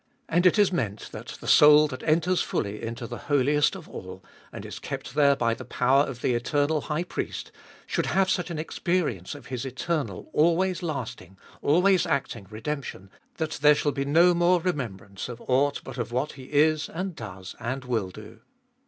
And it is meant that the soul that enters fully into the Holiest of All, and is kept there by the power of the eternal High Priest, should have such an experience of His eternal, always lasting, always acting redemption, that there shall be no remembrance of aught but of what He is and does and will do.